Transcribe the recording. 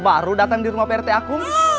baru datang di rumah pak rt aku